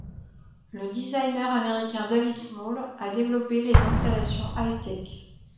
Le designer américain David Small a développé les installations hi-tech.